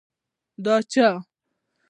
ـ د چا؟!